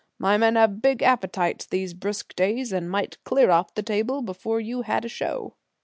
My men have big appetites these brisk days, and might clear off the table before you had a show."